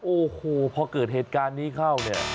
โอ้โหพอเกิดเหตุการณ์นี้เข้าเนี่ย